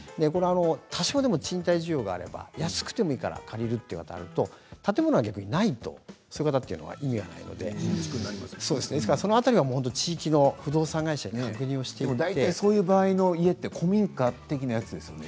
多少でも賃貸需要があれば安くてもいいから借りるという方だと建物が逆にないとそういう方には意味がないのでその辺りは地域の不動産会社にそういう場合の家は古民家的なものですよね。